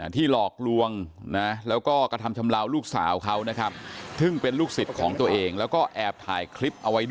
ที่หลอกลวงนะแล้วก็กระทำชำลาวลูกสาวเขานะครับ